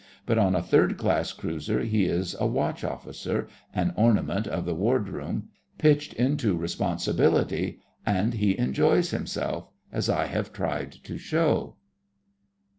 But on a third class cruiser he is a watch officer, an ornament of the ward room, pitched into responsibility, and he enjoys himself, as I have tried to show.